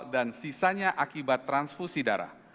dan sisanya akibat transfusi darah